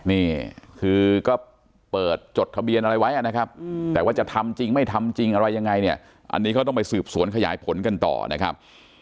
นี่คือก็เปิดจดทะเบียนอะไรไว้นะครับแต่ว่าจะทำจริงไม่ทำจริงอะไรยังไงเนี่ยอันนี้เขาต้องไปสืบสวนขยายผลกันต่อนะครับ